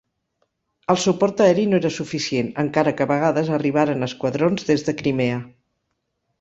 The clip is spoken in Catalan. El suport aeri no era suficient, encara que a vegades arribaren esquadrons des de Crimea.